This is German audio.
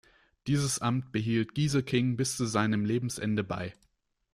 Dieses Amt behielt Gieseking bis zu seinem Lebensende bei.